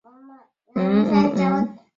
此外他也曾是法国群众党成员。